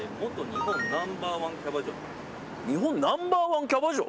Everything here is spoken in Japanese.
日本ナンバー１キャバ嬢？